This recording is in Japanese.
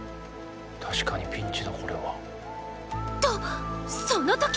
確かにピンチだこれは。とそのとき！